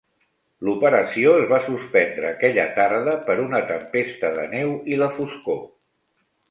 L'operació es va suspendre aquella tarda per una tempesta de neu i la foscor.